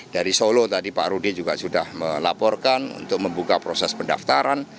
dari solo tadi pak rudy juga sudah melaporkan untuk membuka proses pendaftaran